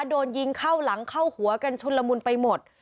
โดนยิงเข้าหลังเข้าหัวกันชุนละมุนไปหมด